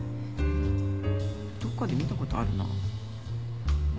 どっかで見た事あるな。